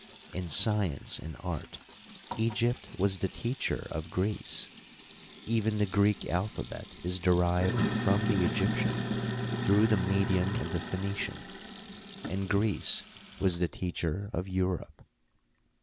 In science and art Egypt was the teacher of Greece ; even the Greek alphabet is derived from the Egyptian through the medium of the Phoenician, and Greece was the teacher of Europe.